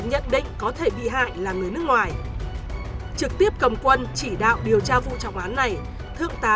những người bị hại là người nước ngoài trực tiếp cầm quân chỉ đạo điều tra vụ trọng án này thượng tá